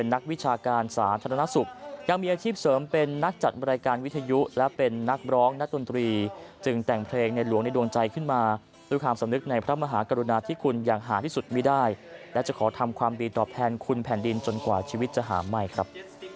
นักวิชาการสาธารณสุขจังหวัดอ่างทองแต่งเพลงขึ้นมาแล้วร่วมแสดงความอะไรถวายแดงในหลวงรัชกาลที่เก้า